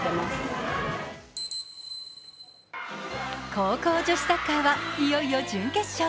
高校女子サッカーはいよいよ準決勝。